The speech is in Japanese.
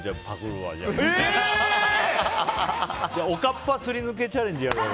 えー！おかっぱすり抜けチャレンジやるわ。